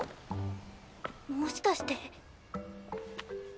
もしかして。